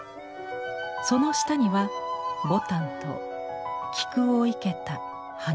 その下には牡丹と菊を生けた花車。